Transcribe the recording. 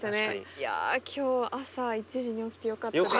いや今日朝１時に起きてよかったです。